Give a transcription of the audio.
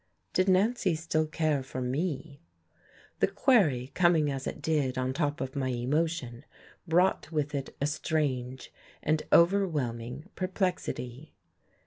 Did Nancy still care for me? The query, coming as it did on top of my emotion, brought with it a strange and overwhelming perplexity.